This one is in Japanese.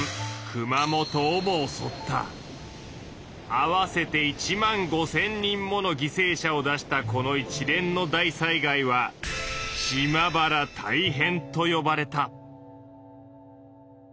合わせて１万５，０００人もの犠牲者を出したこの一連の大災害は「島原大変」とよばれた。